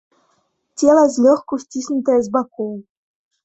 Цела злёгку сціснутае з бакоў.